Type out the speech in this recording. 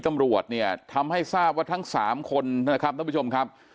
ตำรวจเนี่ยทำให้ทราบว่าทั้งสามคนนะครับท่านผู้ชมครับ